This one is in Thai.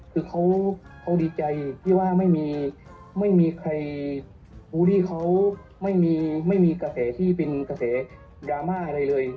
คือเขาดีใจที่ว่าไม่มีใครบูลลี่เขาไม่มีกระแสที่เป็นกระแสดราม่าอะไรเลย